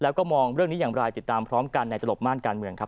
แล้วก็มองเรื่องนี้อย่างไรติดตามพร้อมกันในตลบม่านการเมืองครับ